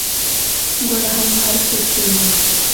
ګوړه هم په هر کور کې نه وه.